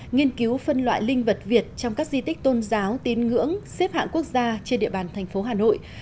nghiên cứu phân loại linh vật việt trong các di tích tôn giáo tín ngưỡng xếp hạng quốc gia trên địa bàn thành phố hà nội